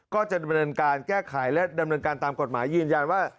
ก็จะดำเนินการแก้ไขและดำเนินการตามกฎหมายยืนยันว่า